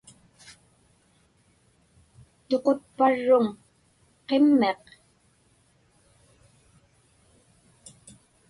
Tuqutparruŋ qimmiq?